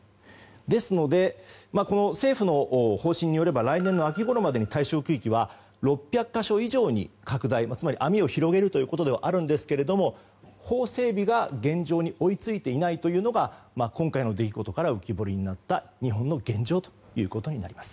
ですので、政府の方針によれば来年の秋ごろまでに対象区域は６００か所以上に拡大、つまり網を広げるということですが法整備が現状に追い付いていないというのが今回の出来事から浮き彫りになった日本の現状となります。